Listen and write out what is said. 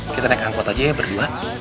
kita naik angkot aja ya berdua